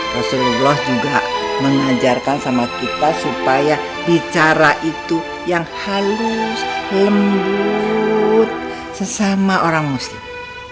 rasulullah juga mengajarkan sama kita supaya bicara itu yang halus lembut sesama orang muslim